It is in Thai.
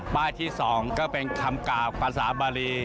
ป้ายที่สองก็เป็นคำกราบภาษาบาลี